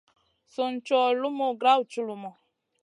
Sùn cow lumu grawd culumu.